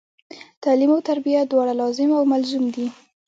تعلم او تربیه دواړه لاظم او ملظوم دي.